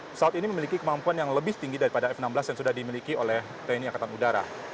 pesawat ini memiliki kemampuan yang lebih tinggi daripada f enam belas yang sudah dimiliki oleh tni angkatan udara